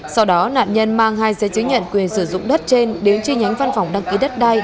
sau đó nạn nhân mang hai giấy chứng nhận quyền sử dụng đất trên đến chi nhánh văn phòng đăng ký đất đai